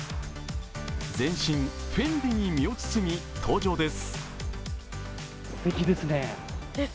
全身フェンディに身を包み登場です。